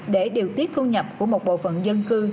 để điều tiết thu nhập của một bộ phận dân cư